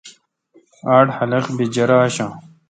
آڈ خلق بی جرہ آشہ۔